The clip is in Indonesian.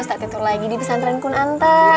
ustadz tidur lagi di pesantren kun anta